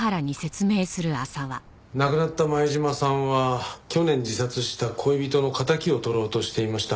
亡くなった前島さんは去年自殺した恋人の敵を取ろうとしていました。